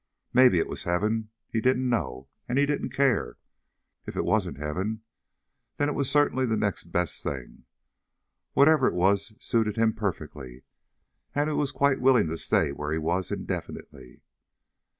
Maybe it was Heaven. He didn't know, and he didn't care. If it wasn't Heaven, then it was certainly the next best thing. Whatever it was it suited him perfectly, and he was quite willing to stay where he was indefinitely.